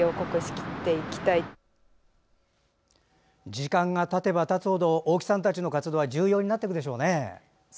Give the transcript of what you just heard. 時間がたてばたつほど大木さんたちの活動は重要になっていくでしょうね。